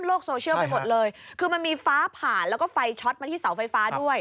โซเชียลไปหมดเลยคือมันมีฟ้าผ่านแล้วก็ไฟช็อตมาที่เสาไฟฟ้าด้วย